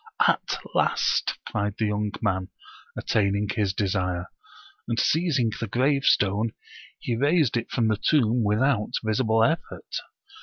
" At last I " cried the young man, attaining his desire, and, seizing the gravestone, he raised it from the tomb without visible effort.